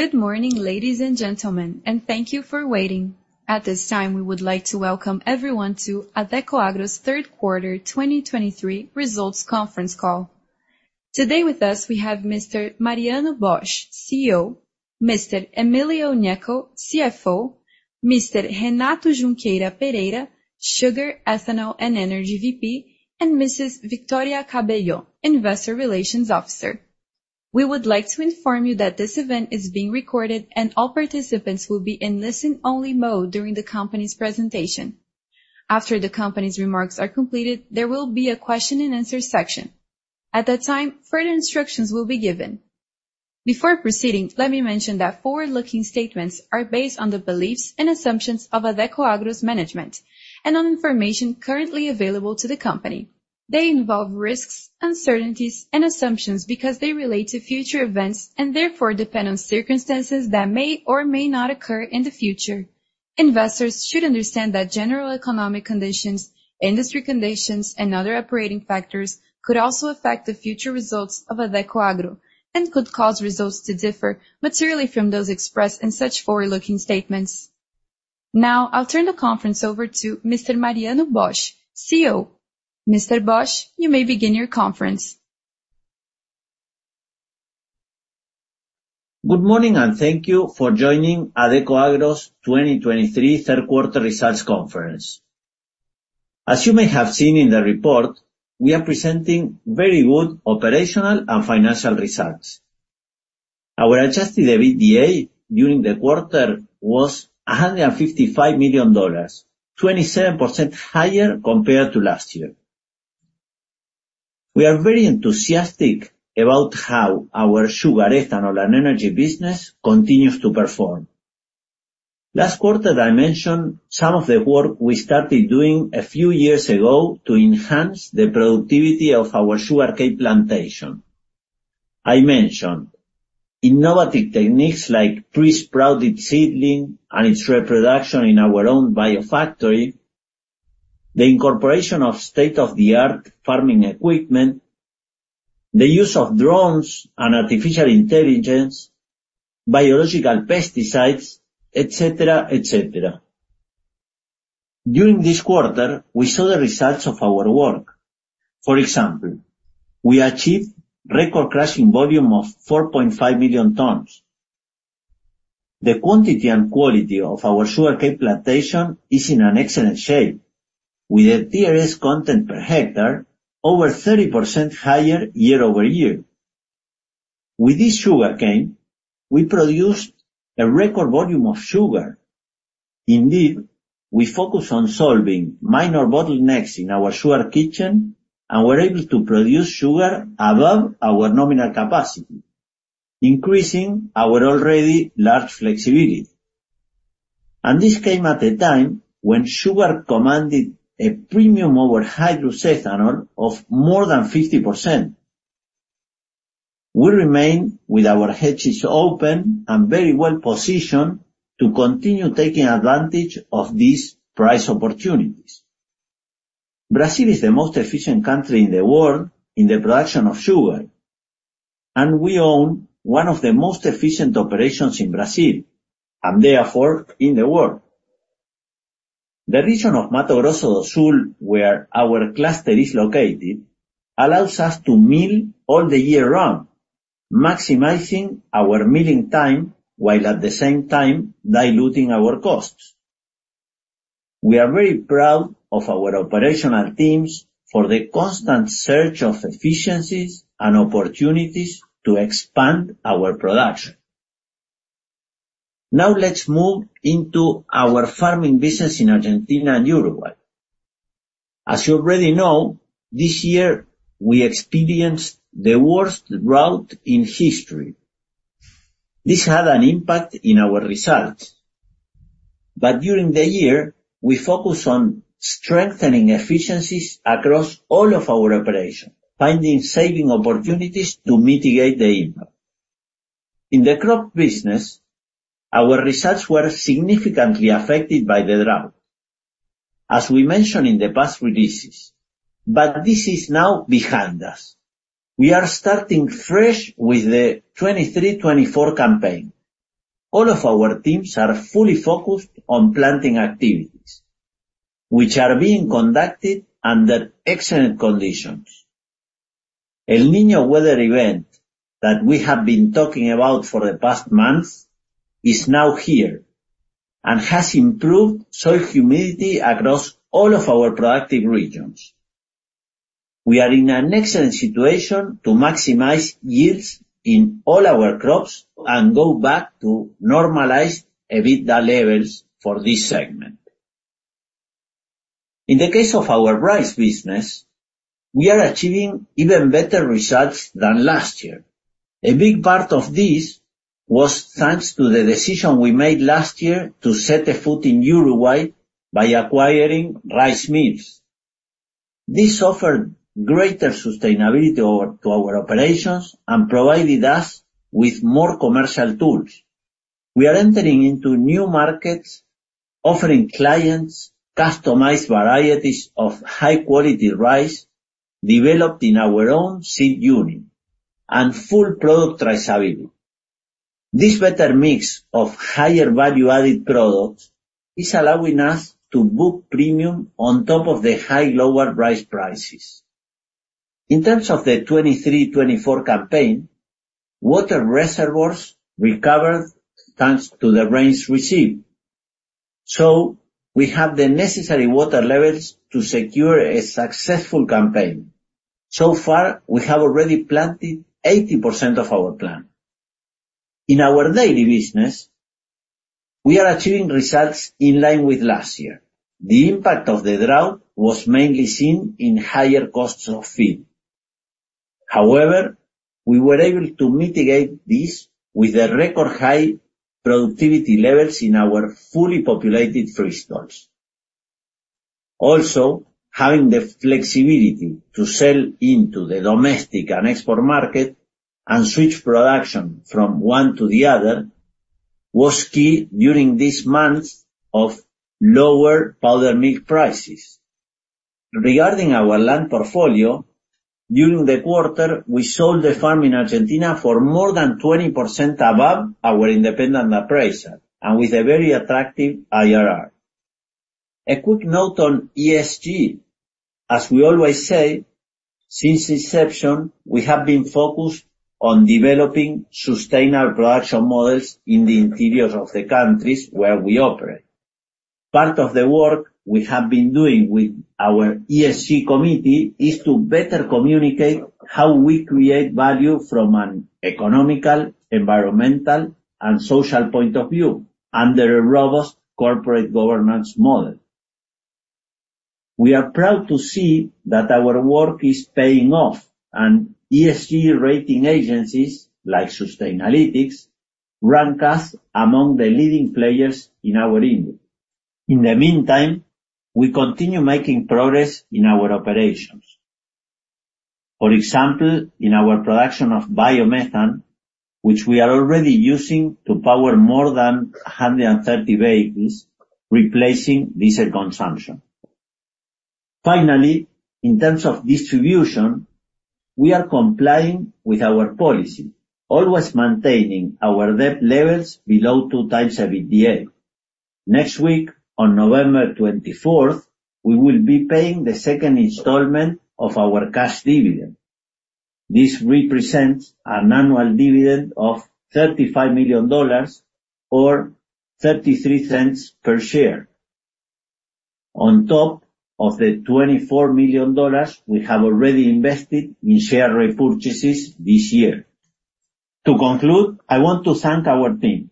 Good morning, ladies and gentlemen, and thank you for waiting. At this time, we would like to welcome everyone to Adecoagro's third quarter 2023 results conference call. Today with us, we have Mr. Mariano Bosch, CEO, Mr. Emilio Gnecco, CFO, Mr. Renato Junqueira Pereira, Sugar, Ethanol, and Energy VP, and Mrs. Victoria Cabello, Investor Relations Officer. We would like to inform you that this event is being recorded, and all participants will be in listen-only mode during the company's presentation. After the company's remarks are completed, there will be a question and answer section. At that time, further instructions will be given. Before proceeding, let me mention that forward-looking statements are based on the beliefs and assumptions of Adecoagro's management and on information currently available to the company. They involve risks, uncertainties, and assumptions because they relate to future events and therefore depend on circumstances that may or may not occur in the future. Investors should understand that general economic conditions, industry conditions, and other operating factors could also affect the future results of Adecoagro and could cause results to differ materially from those expressed in such forward-looking statements. Now, I'll turn the conference over to Mr. Mariano Bosch, CEO. Mr. Bosch, you may begin your conference. Good morning, and thank you for joining Adecoagro's 2023 third quarter results conference. As you may have seen in the report, we are presenting very good operational and financial results. Our Adjusted EBITDA during the quarter was $155 million, 27% higher compared to last year. We are very enthusiastic about how our sugar, ethanol, and energy business continues to perform. Last quarter, I mentioned some of the work we started doing a few years ago to enhance the productivity of our sugarcane plantation. I mentioned innovative techniques like pre-sprouted seedling and its reproduction in our own biofactory, the incorporation of state-of-the-art farming equipment, the use of drones and artificial intelligence, biological pesticides, et cetera, et cetera. During this quarter, we saw the results of our work. For example, we achieved record crushing volume of 4.5 million tons. The quantity and quality of our sugarcane plantation is in an excellent shape, with a TRS content per hectare over 30% higher year-over-year. With this sugarcane, we produced a record volume of sugar. Indeed, we focused on solving minor bottlenecks in our sugar kitchen and were able to produce sugar above our nominal capacity, increasing our already large flexibility, and this came at a time when sugar commanded a premium over hydrous ethanol of more than 50%. We remain with our hedges open and very well positioned to continue taking advantage of these price opportunities. Brazil is the most efficient country in the world in the production of sugar, and we own one of the most efficient operations in Brazil, and therefore, in the world. The region of Mato Grosso do Sul, where our cluster is located, allows us to mill all the year round, maximizing our milling time, while at the same time diluting our costs. We are very proud of our operational teams for the constant search of efficiencies and opportunities to expand our production. Now, let's move into our farming business in Argentina and Uruguay. As you already know, this year we experienced the worst drought in history. This had an impact in our results, but during the year, we focused on strengthening efficiencies across all of our operations, finding saving opportunities to mitigate the impact. In the crop business, our results were significantly affected by the drought, as we mentioned in the past releases, but this is now behind us. We are starting fresh with the 2023-2024 campaign. All of our teams are fully focused on planting activities, which are being conducted under excellent conditions. El Niño weather event that we have been talking about for the past months is now here and has improved soil humidity across all of our productive regions. We are in an excellent situation to maximize yields in all our crops and go back to normalized EBITDA levels for this segment. In the case of our rice business, we are achieving even better results than last year. A big part of this was thanks to the decision we made last year to set a foot in Uruguay by acquiring rice mills. This offered greater sustainability to our, to our operations and provided us with more commercial tools. We are entering into new markets, offering clients customized varieties of high quality rice developed in our own seed unit and full product traceability. This better mix of higher value-added products is allowing us to book premium on top of the high global rice prices. In terms of the 2023-2024 campaign, water reservoirs recovered, thanks to the rains received, so we have the necessary water levels to secure a successful campaign. So far, we have already planted 80% of our plan. In our daily business, we are achieving results in line with last year. The impact of the drought was mainly seen in higher costs of feed. However, we were able to mitigate this with the record high productivity levels in our fully populated free-stall. Also, having the flexibility to sell into the domestic and export market and switch production from one to the other, was key during these months of lower powder milk prices. Regarding our land portfolio, during the quarter, we sold the farm in Argentina for more than 20% above our independent appraiser, and with a very attractive IRR. A quick note on ESG. As we always say, since inception, we have been focused on developing sustainable production models in the interiors of the countries where we operate. Part of the work we have been doing with our ESG committee is to better communicate how we create value from an economical, environmental, and social point of view, under a robust corporate governance model. We are proud to see that our work is paying off, and ESG rating agencies, like Sustainalytics, rank us among the leading players in our industry. In the meantime, we continue making progress in our operations. For example, in our production of biomethane, which we are already using to power more than 130 vehicles, replacing diesel consumption. Finally, in terms of distribution, we are complying with our policy, always maintaining our debt levels below 2x EBITDA. Next week, on November 24th, we will be paying the second installment of our cash dividend. This represents an annual dividend of $35 million or $0.33 per share, on top of the $24 million we have already invested in share repurchases this year. To conclude, I want to thank our team.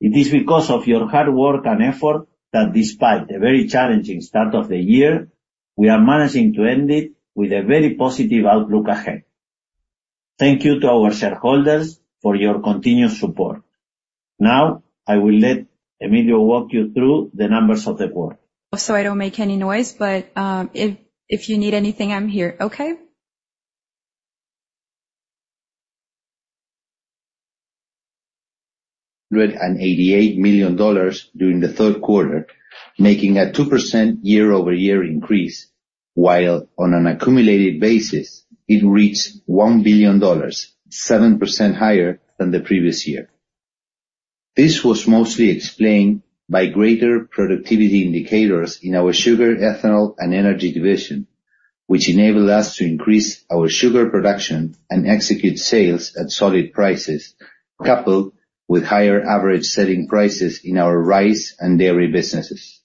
It is because of your hard work and effort that despite a very challenging start of the year, we are managing to end it with a very positive outlook ahead. Thank you to our shareholders for your continued support. Now, I will let Emilio walk you through the numbers of the board. So I don't make any noise, but if you need anything, I'm here, okay? $188 million during the third quarter, making a 2% year-over-year increase, while on an accumulated basis, it reached $1 billion, 7% higher than the previous year. This was mostly explained by greater productivity indicators in our sugar, ethanol, and energy division, which enabled us to increase our sugar production and execute sales at solid prices, coupled with higher average selling prices in our rice and dairy businesses.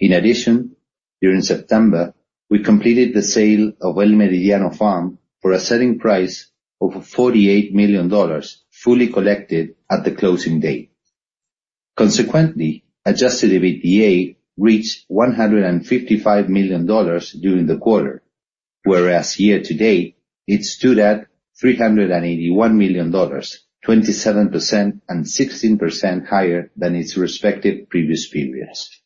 In addition, during September, we completed the sale of El Meridiano farm for a selling price of $48 million, fully collected at the closing date. Consequently, Adjusted EBITDA reached $155 million during the quarter, whereas year-to-date, it stood at $381 million, 27% and 16% higher than its respective previous periods.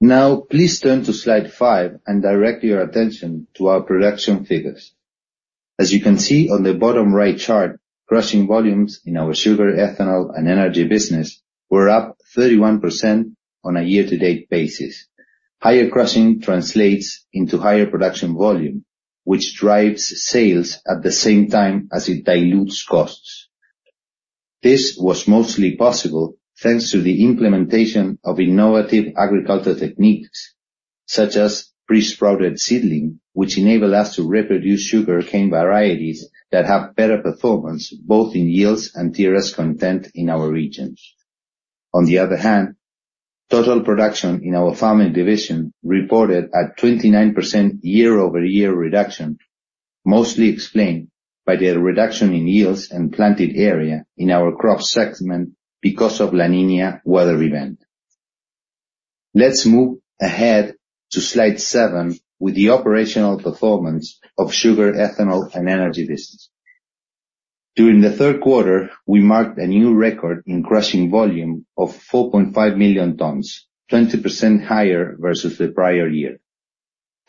Now, please turn to slide 5 and direct your attention to our production figures. As you can see on the bottom right chart, crushing volumes in our sugar, ethanol, and energy business were up 31% on a year-to-date basis. Higher crushing translates into higher production volume, which drives sales at the same time as it dilutes costs. This was mostly possible, thanks to the implementation of innovative agriculture techniques, such as pre-sprouted seedling, which enable us to reproduce sugarcane varieties that have better performance, both in yields and TRS content in our regions. On the other hand, total production in our farming division reported a 29% year-over-year reduction, mostly explained by the reduction in yields and planted area in our crop segment because of La Niña weather event. Let's move ahead to slide seven with the operational performance of sugar, ethanol, and energy business. During the third quarter, we marked a new record in crushing volume of 4.5 million tons, 20% higher versus the prior year.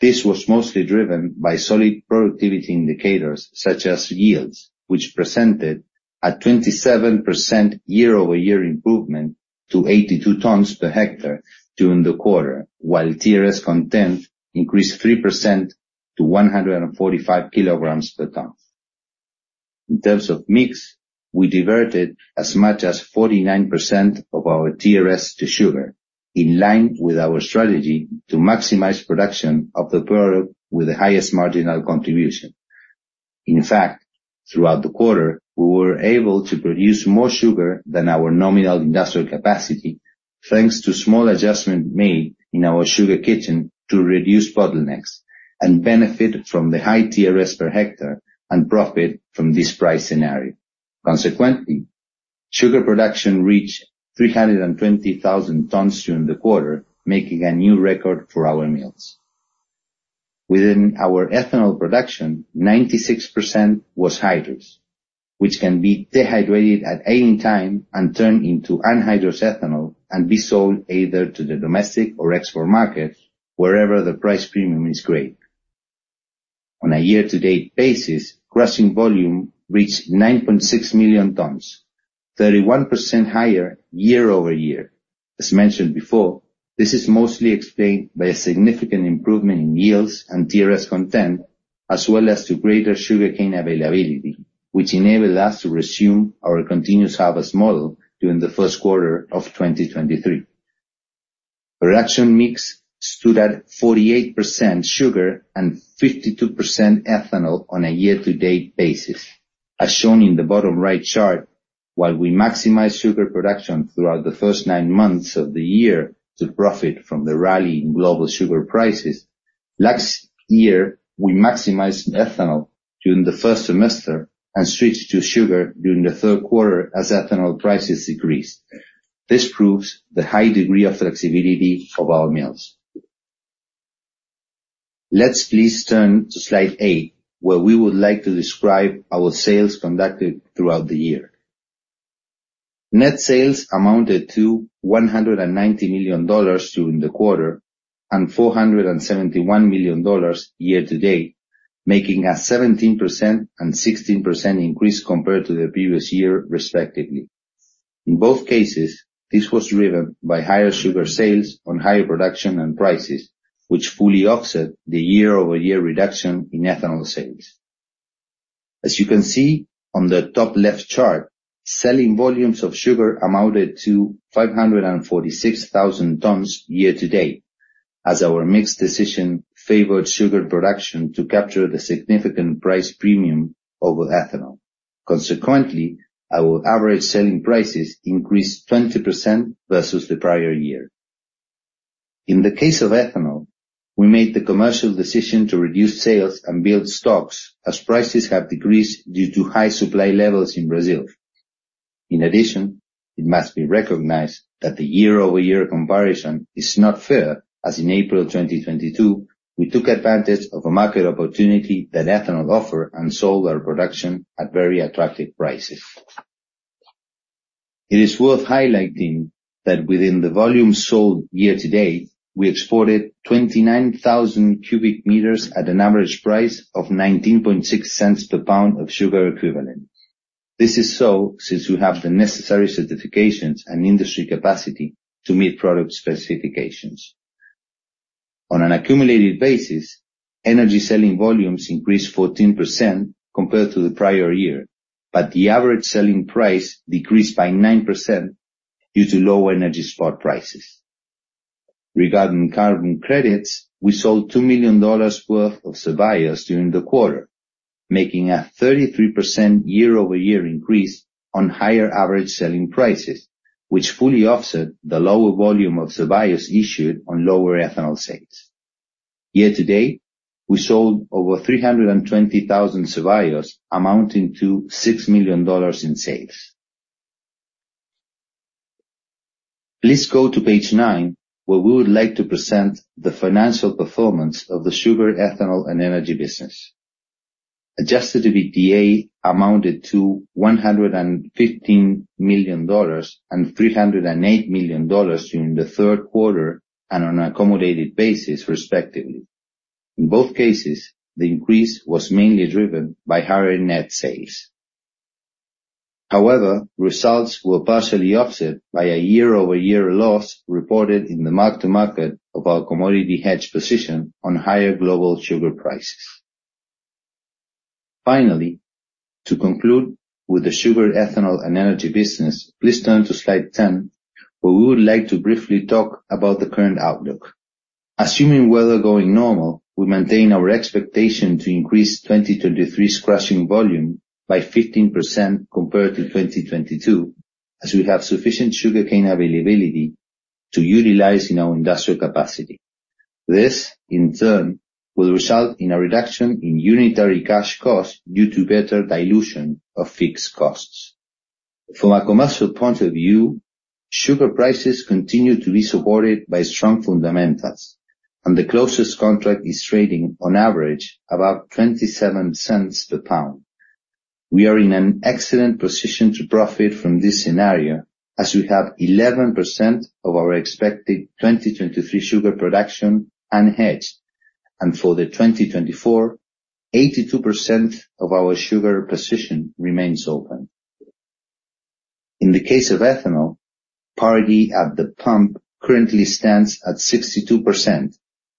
This was mostly driven by solid productivity indicators, such as yields, which presented a 27% year-over-year improvement to 82 tons per hectare during the quarter, while TRS content increased 3% to 145 kilograms per ton. In terms of mix, we diverted as much as 49% of our TRS to sugar, in line with our strategy to maximize production of the product with the highest marginal contribution. In fact, throughout the quarter, we were able to produce more sugar than our nominal industrial capacity, thanks to small adjustment made in our sugar kitchen to reduce bottlenecks and benefit from the high TRS per hectare and profit from this price scenario. Consequently, sugar production reached 320,000 tons during the quarter, making a new record for our mills. Within our ethanol production, 96% was hydrous, which can be dehydrated at any time and turned into anhydrous ethanol, and be sold either to the domestic or export markets, wherever the price premium is great. On a year-to-date basis, crushing volume reached 9.6 million tons, 31% higher year-over-year. As mentioned before, this is mostly explained by a significant improvement in yields and TRS content, as well as to greater sugarcane availability, which enabled us to resume our continuous harvest model during the first quarter of 2023. Production mix stood at 48% sugar and 52% ethanol on a year-to-date basis. As shown in the bottom right chart, while we maximize sugar production throughout the first nine months of the year to profit from the rally in global sugar prices, last year, we maximized ethanol during the first semester and switched to sugar during the third quarter as ethanol prices decreased. This proves the high degree of flexibility of our mills. Let's please turn to slide eight, where we would like to describe our sales conducted throughout the year. Net sales amounted to $190 million during the quarter, and $471 million year to date, making a 17% and 16% increase compared to the previous year, respectively. In both cases, this was driven by higher sugar sales on higher production and prices, which fully offset the year-over-year reduction in ethanol sales. As you can see on the top left chart, selling volumes of sugar amounted to 546,000 tons year to date, as our mix decision favored sugar production to capture the significant price premium over ethanol. Consequently, our average selling prices increased 20% versus the prior year. In the case of ethanol, we made the commercial decision to reduce sales and build stocks as prices have decreased due to high supply levels in Brazil. In addition, it must be recognized that the year-over-year comparison is not fair, as in April 2022, we took advantage of a market opportunity that ethanol offered and sold our production at very attractive prices. It is worth highlighting that within the volume sold year to date, we exported 29,000 cubic meters at an average price of $0.196 per pound of sugar equivalent. This is so, since we have the necessary certifications and industry capacity to meet product specifications. On an accumulated basis, energy selling volumes increased 14% compared to the prior year, but the average selling price decreased by 9% due to low energy spot prices. Regarding carbon credits, we sold $2 million worth of CBIOs during the quarter, making a 33% year-over-year increase on higher average selling prices, which fully offset the lower volume of CBIOs issued on lower ethanol sales. Year to date, we sold over 320,000 CBIOs, amounting to $6 million in sales. Please go to page 9, where we would like to present the financial performance of the sugar, ethanol, and energy business. Adjusted EBITDA amounted to $115 million and $308 million during the third quarter on an accumulated basis, respectively. In both cases, the increase was mainly driven by higher net sales. However, results were partially offset by a year-over-year loss reported in the mark to market of our commodity hedge position on higher global sugar prices. Finally, to conclude with the sugar, ethanol, and energy business, please turn to slide 10, where we would like to briefly talk about the current outlook. Assuming weather going normal, we maintain our expectation to increase 2023's crushing volume by 15% compared to 2022, as we have sufficient sugarcane availability to utilize in our industrial capacity. This, in turn, will result in a reduction in unitary cash cost due to better dilution of fixed costs. From a commercial point of view, sugar prices continue to be supported by strong fundamentals, and the closest contract is trading on average, about $0.27 per pound. We are in an excellent position to profit from this scenario, as we have 11% of our expected 2023 sugar production unhedged. For the 2024, 82% of our sugar position remains open. In the case of ethanol, parity at the pump currently stands at 62%,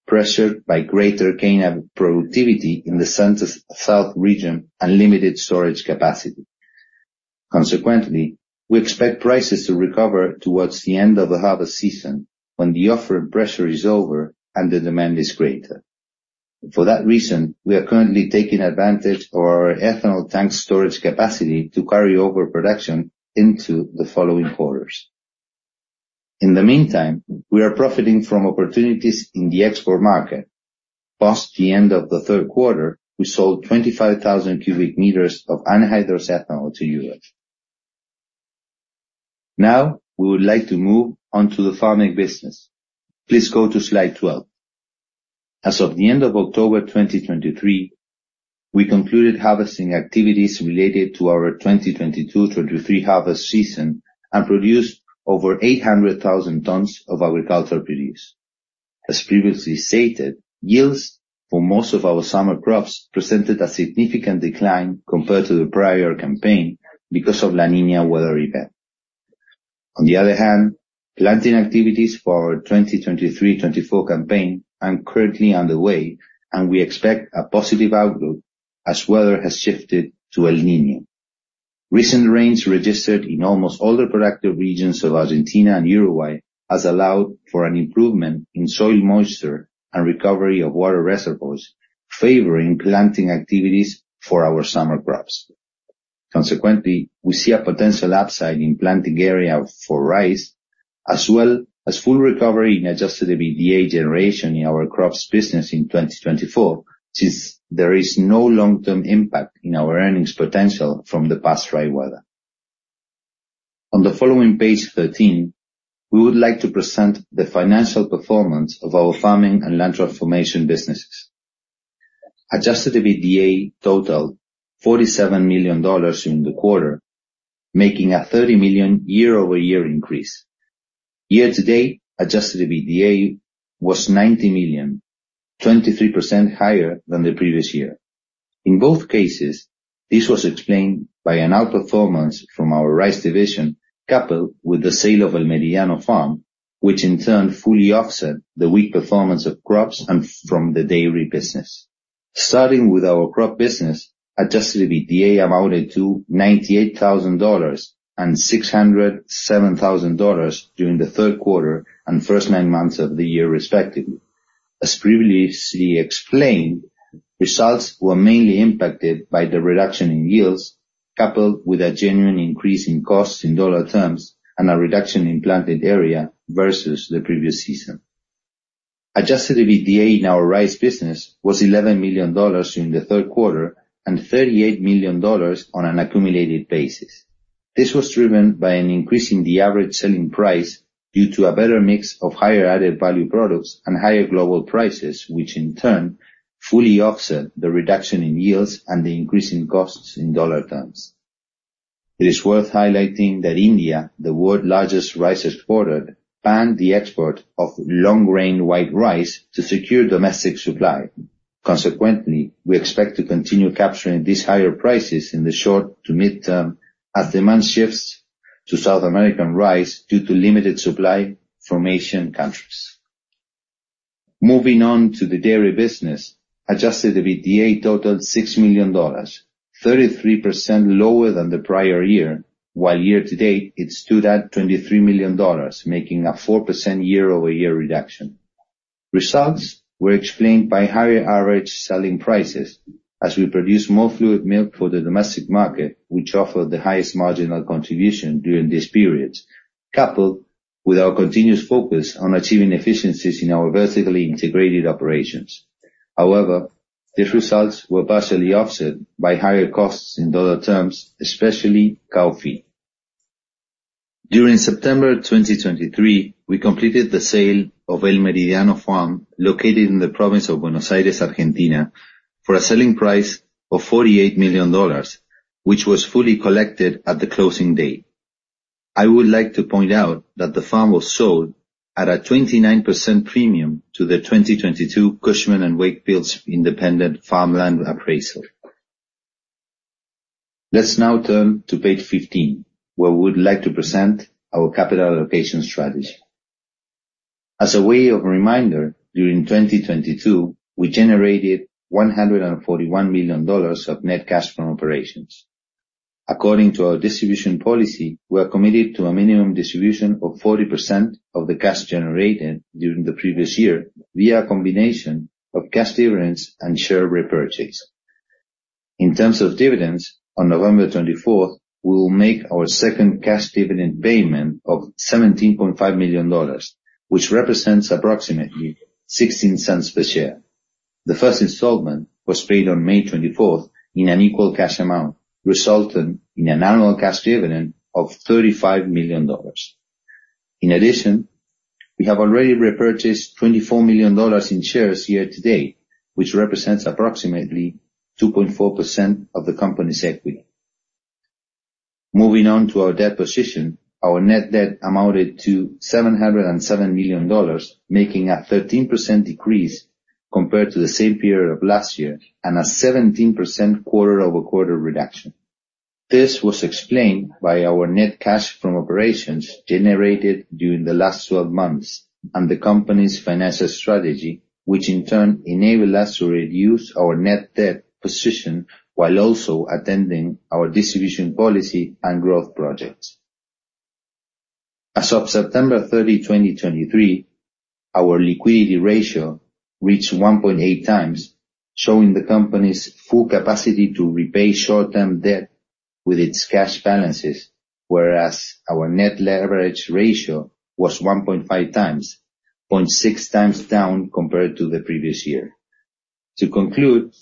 pressured by greater cane productivity in the Center-South region and limited storage capacity. Consequently, we expect prices to recover towards the end of the harvest season, when the offer pressure is over and the demand is greater. For that reason, we are currently taking advantage of our ethanol tank storage capacity to carry over production into the following quarters. In the meantime, we are profiting from opportunities in the export market. Past the end of the third quarter, we sold 25,000 cubic meters of anhydrous ethanol to Europe. Now, we would like to move on to the farming business. Please go to slide 12. As of the end of October 2023, we concluded harvesting activities related to our 2022-2023 harvest season and produced over 800,000 tons of agricultural produce. As previously stated, yields for most of our summer crops presented a significant decline compared to the prior campaign because of La Niña weather event. On the other hand, planting activities for our 2023-2024 campaign are currently underway, and we expect a positive outlook as weather has shifted to El Niño. Recent rains registered in almost all the productive regions of Argentina and Uruguay, has allowed for an improvement in soil moisture and recovery of water reservoirs, favoring planting activities for our summer crops. Consequently, we see a potential upside in planting area for rice, as well as full recovery in Adjusted EBITDA generation in our crops business in 2024, since there is no long-term impact in our earnings potential from the past dry weather. On the following page 13, we would like to present the financial performance of our farming and land transformation businesses. Adjusted EBITDA totaled $47 million in the quarter, making a $30 million year-over-year increase. Year-to-date, Adjusted EBITDA was $90 million, 23% higher than the previous year. In both cases, this was explained by an outperformance from our rice division, coupled with the sale of El Meridiano Farm, which in turn fully offset the weak performance of crops and from the dairy business. Starting with our crop business, Adjusted EBITDA amounted to $98,000 and $607,000 during the third quarter and first nine months of the year, respectively. As previously explained, results were mainly impacted by the reduction in yields, coupled with a genuine increase in costs in dollar terms and a reduction in planted area versus the previous season. Adjusted EBITDA in our rice business was $11 million in the third quarter and $38 million on an accumulated basis. This was driven by an increase in the average selling price due to a better mix of higher added value products and higher global prices, which in turn fully offset the reduction in yields and the increase in costs in dollar terms. It is worth highlighting that India, the world's largest rice exporter, banned the export of long-grain white rice to secure domestic supply. Consequently, we expect to continue capturing these higher prices in the short to mid-term as demand shifts to South American rice due to limited supply from Asian countries. Moving on to the dairy business, Adjusted EBITDA totaled $6 million, 33% lower than the prior year, while year-to-date, it stood at $23 million, making a 4% year-over-year reduction. Results were explained by higher average selling prices as we produced more fluid milk for the domestic market, which offered the highest marginal contribution during this period, coupled with our continuous focus on achieving efficiencies in our vertically integrated operations. However, these results were partially offset by higher costs in dollar terms, especially cow feed. During September 2023, we completed the sale of El Meridiano Farm, located in the province of Buenos Aires, Argentina, for a selling price of $48 million, which was fully collected at the closing date. I would like to point out that the farm was sold at a 29% premium to the 2022 Cushman & Wakefield's independent farmland appraisal. Let's now turn to page 15, where we would like to present our capital allocation strategy. As a way of reminder, during 2022, we generated $141 million of net cash from operations. According to our distribution policy, we are committed to a minimum distribution of 40% of the cash generated during the previous year via a combination of cash dividends and share repurchase. In terms of dividends, on November 24th, we will make our second cash dividend payment of $17.5 million, which represents approximately $0.16 per share. The first installment was paid on May 24th in an equal cash amount, resulting in an annual cash dividend of $35 million. In addition, we have already repurchased $24 million in shares year to date, which represents approximately 2.4% of the company's equity. Moving on to our debt position, our net debt amounted to $707 million, making a 13% decrease compared to the same period of last year, and a 17% quarter-over-quarter reduction. This was explained by our net cash from operations generated during the last 12 months, and the company's financial strategy, which in turn enabled us to reduce our net debt position while also attending our distribution policy and growth projects. As of September 30, 2023, our liquidity ratio reached 1.8x, showing the company's full capacity to repay short-term debt with its cash balances, whereas our net leverage ratio was 1.5x, 0.6x down compared to the previous year. To conclude,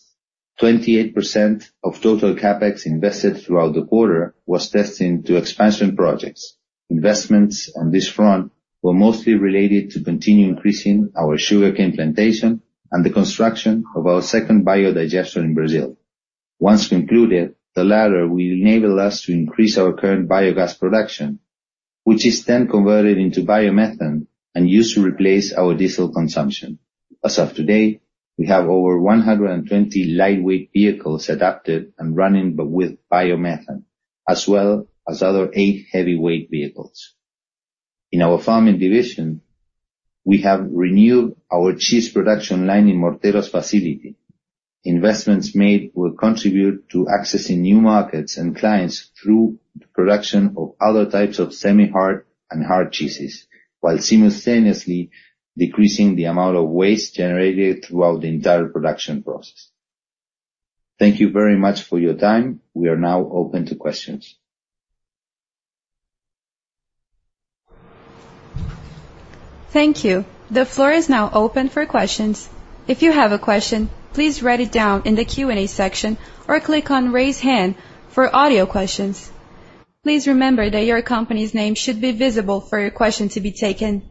28% of total CapEx invested throughout the quarter was destined to expansion projects. Investments on this front were mostly related to continue increasing our sugarcane plantation and the construction of our second biodigester in Brazil. Once concluded, the latter will enable us to increase our current biogas production, which is then converted into biomethane and used to replace our diesel consumption. As of today, we have over 120 lightweight vehicles adapted and running, but with biomethane, as well as other eight heavyweight vehicles. In our farming division, we have renewed our cheese production line in Morteros facility. Investments made will contribute to accessing new markets and clients through the production of other types of semi-hard and hard cheeses, while simultaneously decreasing the amount of waste generated throughout the entire production process. Thank you very much for your time. We are now open to questions. Thank you. The floor is now open for questions. If you have a question, please write it down in the Q&A section or click on Raise Hand for audio questions. Please remember that your company's name should be visible for your question to be taken.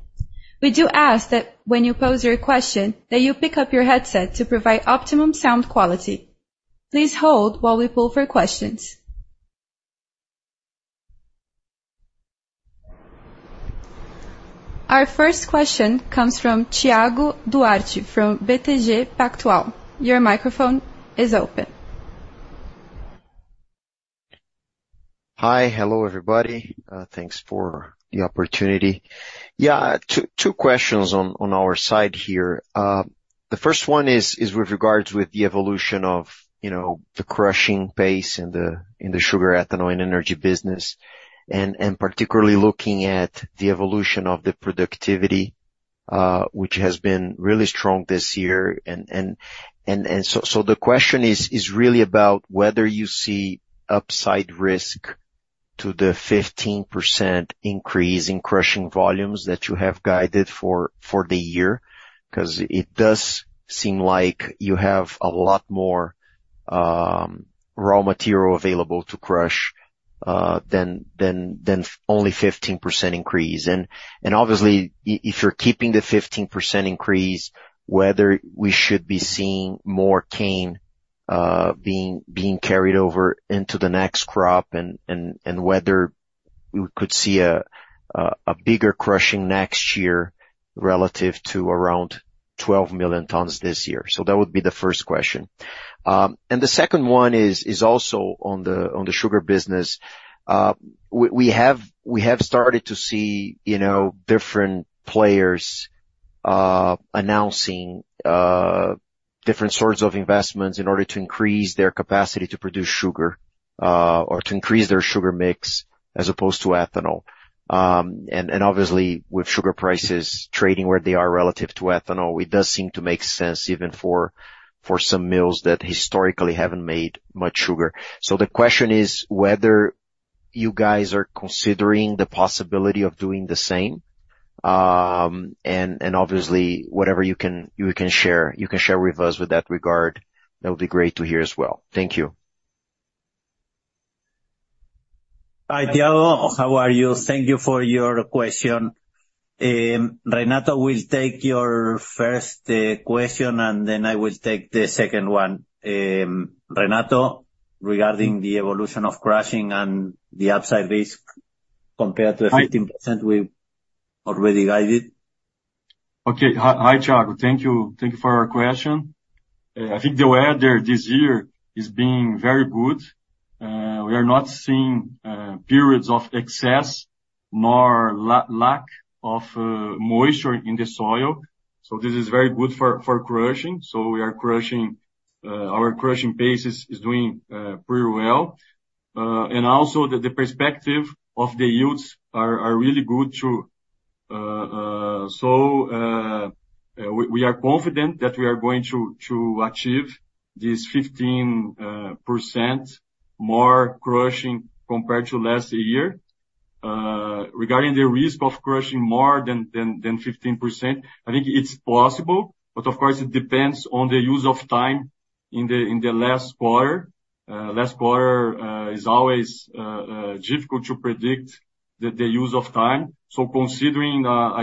We do ask that when you pose your question, that you pick up your headset to provide optimum sound quality. Please hold while we pull for questions. Our first question comes from Thiago Duarte from BTG Pactual. Your microphone is open. Hi. Hello, everybody. Thanks for the opportunity. Yeah, two questions on our side here. The first one is with regard to the evolution of, you know, the crushing pace in the Sugar, Ethanol and Energy business, and particularly looking at the evolution of the productivity, which has been really strong this year. And so the question is really about whether you see upside risk to the 15% increase in crushing volumes that you have guided for the year? 'Cause it does seem like you have a lot more raw material available to crush than only 15% increase. Obviously, if you're keeping the 15% increase, whether we should be seeing more cane being carried over into the next crop, and whether we could see a bigger crushing next year relative to around 12 million tons this year. So that would be the first question. And the second one is also on the sugar business. We have started to see, you know, different players announcing different sorts of investments in order to increase their capacity to produce sugar or to increase their sugar mix as opposed to ethanol. And obviously, with sugar prices trading where they are relative to ethanol, it does seem to make sense even for some mills that historically haven't made much sugar. The question is whether you guys are considering the possibility of doing the same? And obviously, whatever you can share with us in that regard would be great to hear as well. Thank you. Hi, Thiago. How are you? Thank you for your question. Renato will take your first question, and then I will take the second one. Renato, regarding the evolution of crushing and the upside risk compared to the 15% we've already guided. Okay. Hi, Hi, Thiago. Thank you. Thank you for your question. I think the weather this year is being very good. We are not seeing periods of excess nor lack of moisture in the soil, so this is very good for crushing. So we are crushing our crushing pace is doing pretty well. And also the perspective of the yields are really good, too. So we are confident that we are going to achieve this 15% more crushing compared to last year. Regarding the risk of crushing more than 15%, I think it's possible, but of course, it depends on the use of time in the last quarter. Last quarter is always difficult to predict the use of time. So considering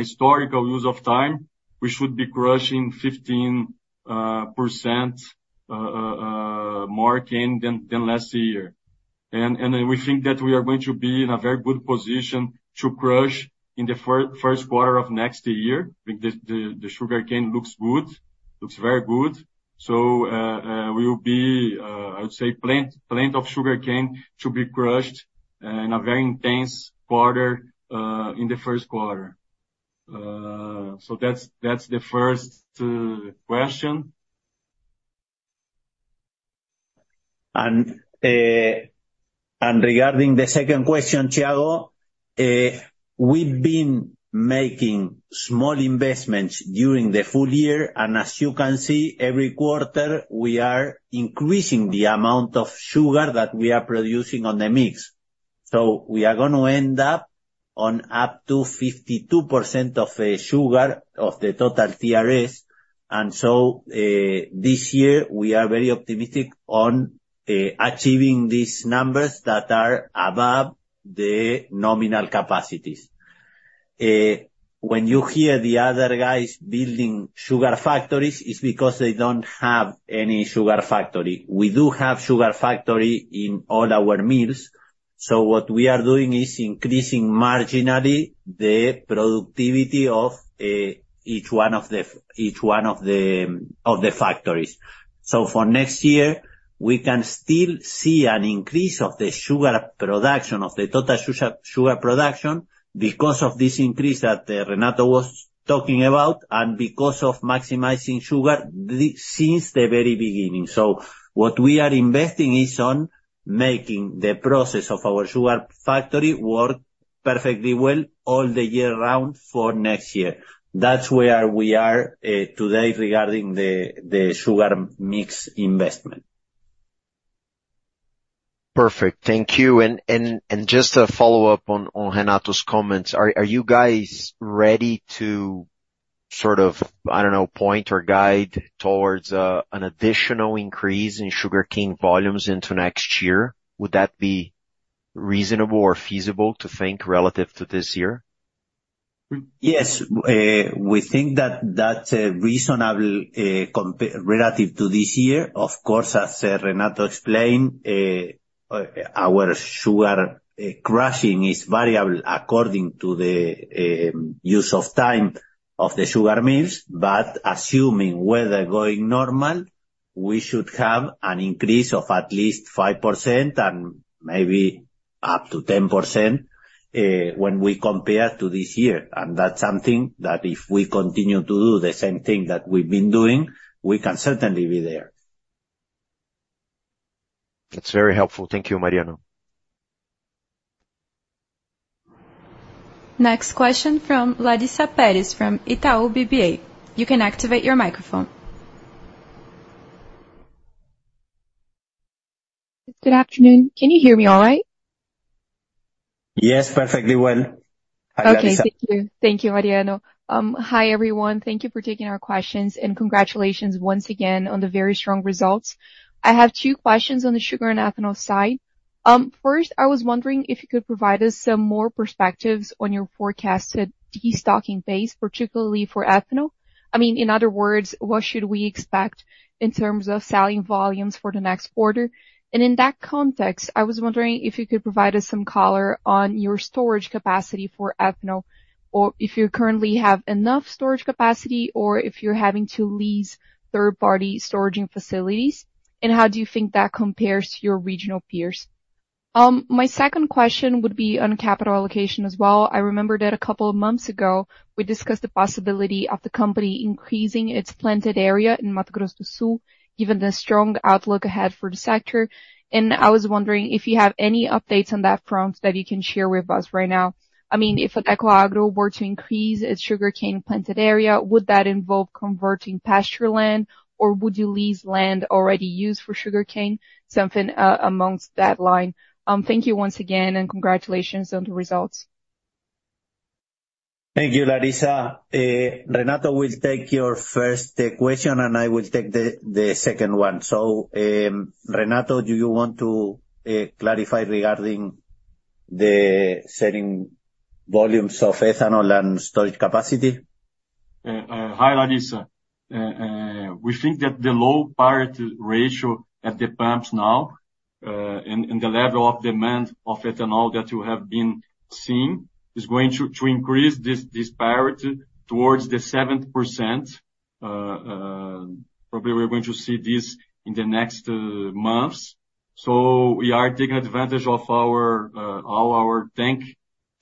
historical use of time, we should be crushing 15% more cane than last year. And then we think that we are going to be in a very good position to crush in the first quarter of next year. The sugarcane looks good. Looks very good. So we will be, I would say, plenty of sugarcane to be crushed in a very intense quarter in the first quarter. So that's the first question. Regarding the second question, Thiago, we've been making small investments during the full year, and as you can see, every quarter, we are increasing the amount of sugar that we are producing on the mix. So we are gonna end up on up to 52% of sugar of the total TRS, and so this year, we are very optimistic on achieving these numbers that are above the nominal capacities. When you hear the other guys building sugar factories, it's because they don't have any sugar factory. We do have sugar factory in all our mills, so what we are doing is increasing marginally the productivity of each one of the factories. So for next year, we can still see an increase of the sugar production, of the total sugar production, because of this increase that Renato was talking about, and because of maximizing sugar since the very beginning. So what we are investing is on making the process of our sugar factory work perfectly well all the year round for next year. That's where we are today regarding the sugar mix investment. Perfect. Thank you. And just to follow up on Renato's comments, are you guys ready to sort of, I don't know, point or guide towards an additional increase in sugarcane volumes into next year? Would that be reasonable or feasible to think relative to this year? Yes. We think that that's reasonable, comparable relative to this year. Of course, as Renato explained, our sugar crushing is variable according to the use of time of the sugar mills. But assuming weather going normal, we should have an increase of at least 5% and maybe up to 10%, when we compare to this year, and that's something that if we continue to do the same thing that we've been doing, we can certainly be there. That's very helpful. Thank you, Mariano. Next question from Larissa Perez, from Itaú BBA. You can activate your microphone. Good afternoon. Can you hear me all right? Yes, perfectly well. Okay. Thank you. Thank you, Mariano. Hi, everyone. Thank you for taking our questions, and congratulations once again on the very strong results. I have two questions on the sugar and ethanol side. First, I was wondering if you could provide us some more perspectives on your forecasted destocking base, particularly for ethanol. I mean, in other words, what should we expect in terms of selling volumes for the next quarter? And in that context, I was wondering if you could provide us some color on your storage capacity for ethanol, or if you currently have enough storage capacity, or if you're having to lease third-party storage facilities, and how do you think that compares to your regional peers? My second question would be on capital allocation as well. I remember that a couple of months ago, we discussed the possibility of the company increasing its planted area in Mato Grosso do Sul, given the strong outlook ahead for the sector. I was wondering if you have any updates on that front that you can share with us right now. I mean, if Adecoagro were to increase its sugarcane planted area, would that involve converting pasture land, or would you lease land already used for sugarcane? Something along that line. Thank you once again, and congratulations on the results. Thank you, Larissa. Renato will take your first question, and I will take the second one. So, Renato, do you want to clarify regarding the selling volumes of ethanol and storage capacity? Hi, Larissa. We think that the low parity ratio at the pumps now, and the level of demand of ethanol that you have been seeing, is going to increase this parity towards the 7%. Probably we're going to see this in the next months. So we are taking advantage of our all our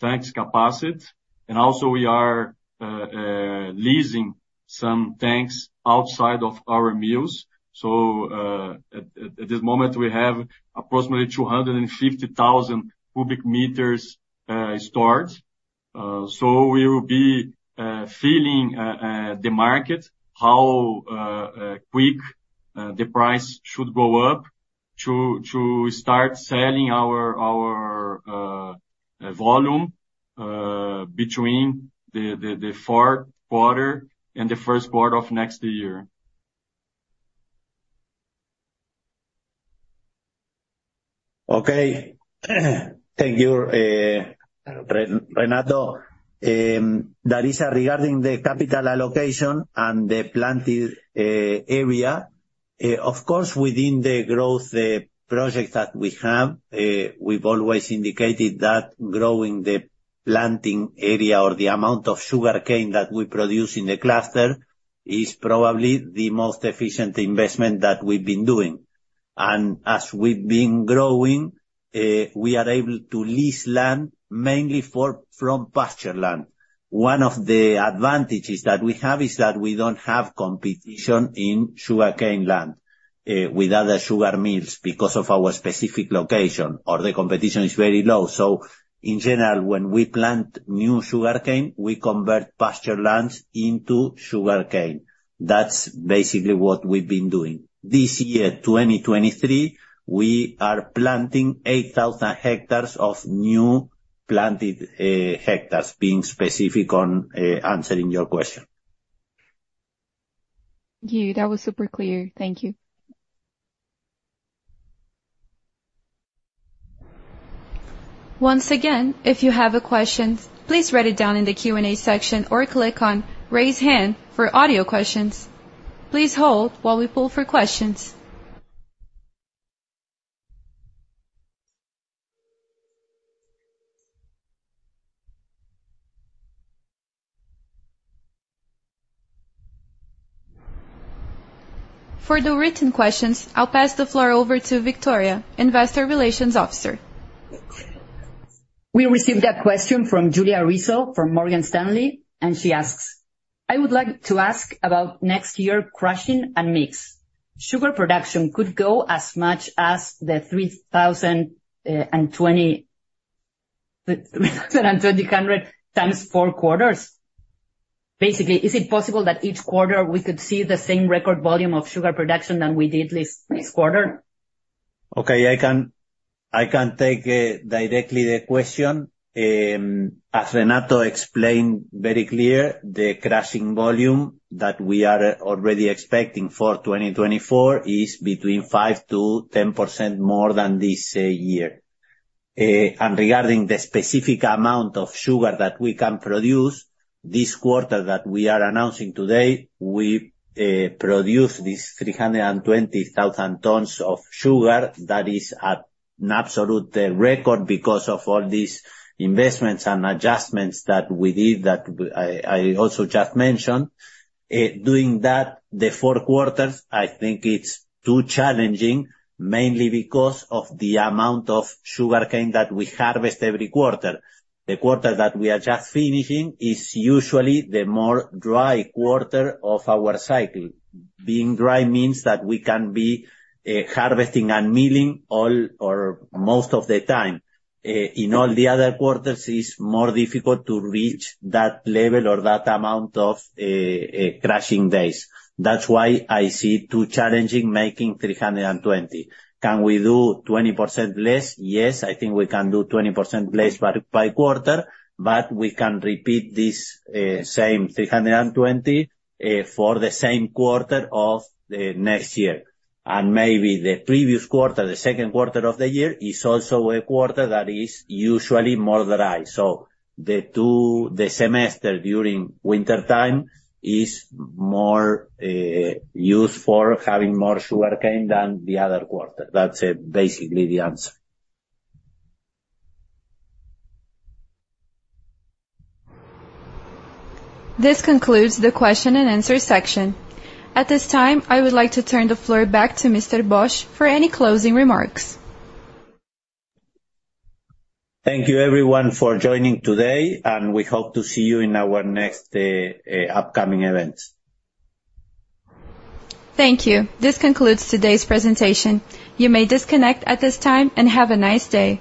tanks capacity, and also we are leasing some tanks outside of our mills. So, at this moment, we have approximately 250,000 cubic meters stored. So we will be filling the market, how quick the price should go up to start selling our volume between the fourth quarter and the first quarter of next year. Okay. Thank you, Renato. That is regarding the capital allocation and the planted area. Of course, within the growth project that we have, we've always indicated that growing the planting area or the amount of sugarcane that we produce in the cluster is probably the most efficient investment that we've been doing. And as we've been growing, we are able to lease land mainly from pasture land. One of the advantages that we have is that we don't have competition in sugarcane land with other sugar mills, because of our specific location, or the competition is very low. So in general, when we plant new sugarcane, we convert pasture lands into sugarcane. That's basically what we've been doing. This year, 2023, we are planting 8,000 hectares of new planted hectares, being specific on answering your question. Thank you. That was super clear. Thank you. Once again, if you have a question, please write it down in the Q&A section or click on Raise Hand for audio questions. Please hold while we pull for questions. For the written questions, I'll pass the floor over to Victoria, Investor Relations Officer. We received a question from Julia Riso, from Morgan Stanley, and she asks: "I would like to ask about next year, crushing and mix. Sugar production could go as much as the 320,000 tons four quarters? Basically, is it possible that each quarter we could see the same record volume of sugar production than we did this, this quarter? Okay, I can take directly the question. As Renato explained very clear, the crushing volume that we are already expecting for 2024 is between 5%-10% more than this year. And regarding the specific amount of sugar that we can produce, this quarter that we are announcing today, we produced 320,000 tons of sugar. That is at an absolute record because of all these investments and adjustments that we did that we also just mentioned. Doing that, the four quarters, I think it's too challenging, mainly because of the amount of sugarcane that we harvest every quarter. The quarter that we are just finishing is usually the more dry quarter of our cycle. Being dry means that we can be harvesting and milling all or most of the time. In all the other quarters, it's more difficult to reach that level or that amount of crushing days. That's why I see too challenging making 320,000 tons. Can we do 20% less? Yes, I think we can do 20% less by quarter, but we can repeat this same 320,000 tons for the same quarter of next year. And maybe the previous quarter, the second quarter of the year, is also a quarter that is usually more dry. So the two... The semester during wintertime is more used for having more sugarcane than the other quarter. That's basically the answer. This concludes the question and answer section. At this time, I would like to turn the floor back to Mr. Bosch for any closing remarks. Thank you everyone for joining today, and we hope to see you in our next upcoming events. Thank you. This concludes today's presentation. You may disconnect at this time, and have a nice day.